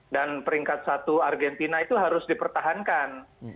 peringkat satu argentina itu harus dipertahankan